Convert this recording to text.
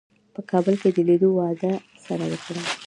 په کابل کې د لیدو وعده سره وکړه.